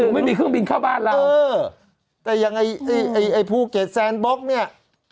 ไม่มีเครื่องบินเข้าบ้านเราเออแต่ยังไงไอ้ไอ้ภูเก็ตแซนบล็อกเนี่ย